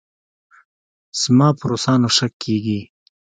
زما په روسانو شک کېږي.